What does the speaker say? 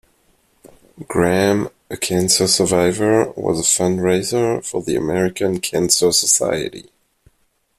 Graham, a cancer survivor, was a fundraiser for the American Cancer Society.